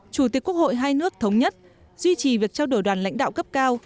chủ tịch quốc hội hai nước thống nhất duy trì việc trao đổi đoàn lãnh đạo cấp cao